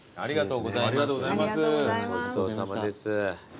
ごちそうさまです。